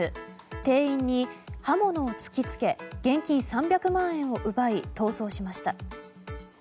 店員に刃物を突き付け現金３００万円を奪い逃走しました。